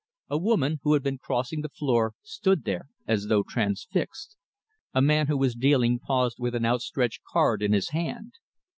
A woman who had been crossing the floor stood there as though transfixed. A man who was dealing paused with an outstretched card in his hand.